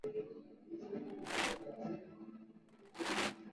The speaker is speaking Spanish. Tras esto, se fue del Panteón para buscar a Delfos.